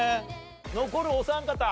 残るお三方。